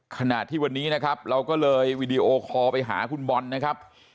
ขณะที่วันนี้นะครับเราก็เลยวีดีโอคอลไปหาคุณบอลนะครับ